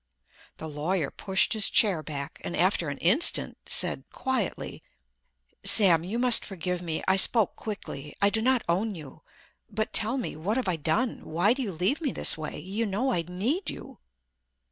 The lawyer pushed his chair back, and after an instant said, quietly, "Sam, you must forgive me; I spoke quickly. I do not own you—but tell me, what have I done—why do you leave me this way, you know I need you!"